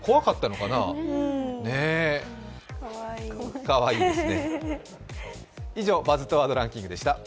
かわいいですね。